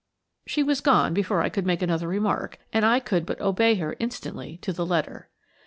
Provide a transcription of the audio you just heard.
She was gone before I could make another remark, and I could but obey her instantly to the letter.